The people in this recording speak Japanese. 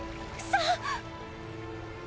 さあ。